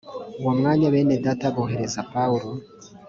uwo mwanya bene data bohereza pawulo